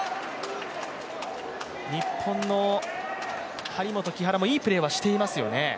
日本の張本・木原もいいプレーはしてますよね。